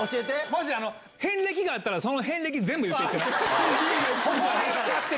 もし、遍歴があったら、その遍歴、全部言ってって。